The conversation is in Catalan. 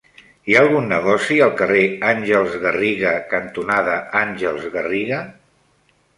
Hi ha algun negoci al carrer Àngels Garriga cantonada Àngels Garriga?